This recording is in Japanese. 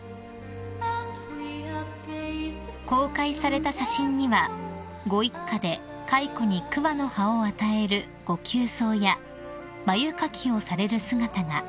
［公開された写真にはご一家で蚕に桑の葉を与えるご給桑や繭掻きをされる姿が］